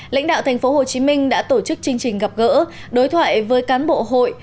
lãnh đạo tp hcm đã tổ chức chương trình gặp gỡ đối thoại với cán bộ hội